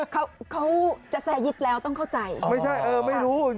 เขาจะแสงยิดแล้วต้องเข้าใจ